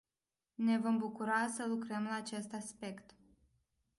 Ne vom bucura să lucrăm la acest aspect.